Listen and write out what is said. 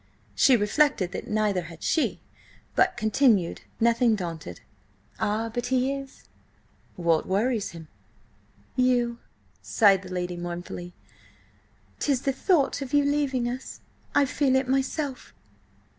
She reflected that neither had she, but continued, nothing daunted: "Ah, but he is!" "What worries him?" "You," sighed the lady mournfully. "'Tis the thought of your leaving us. I feel it myself."